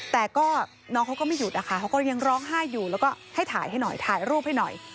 แต่ก็น้องเขาก็ไม่หยุดนะคะเขาก็ยังร้องไห้อยู่แล้วก็ให้ถ่ายให้หน่อยถ่ายรูปให้หน่อย